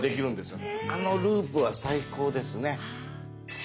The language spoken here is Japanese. あのループは最高ですね！